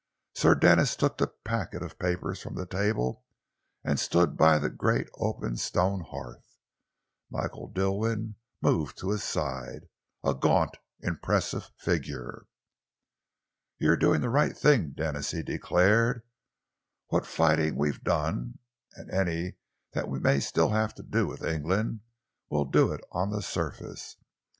Sir Denis took the packet of papers from the table and stood by the great open stone hearth. Michael Dilwyn moved to his side, a gaunt, impressive figure. "You're doing the right thing, Denis," he declared. "What fighting we've done, and any that we may still have to do with England, we'll do it on the surface.